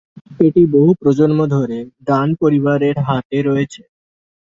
এটি বহু প্রজন্ম ধরে ডান পরিবারের হাতে রয়েছে।